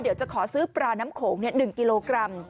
เดี๋ยวจะขอซื้อปลาน้ำโขง๑กิโลกรัม